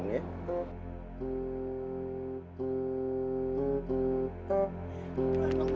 tunggu tunggu tunggu